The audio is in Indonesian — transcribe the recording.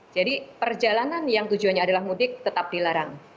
jadi perjalanan yang tujuannya adalah mudik tetap dilarang